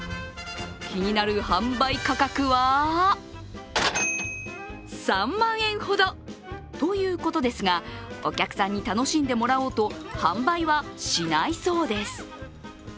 気になる販売価格は、３万円ほどということですがお客さんに楽しんでもらおうと販売はしないそうです。